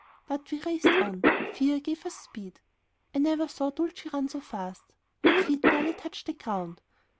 But we raced on. Fear gave us speed. I never saw Dulcie run so fast; her feet barely touched the ground.